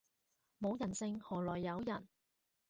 冇人性何來有人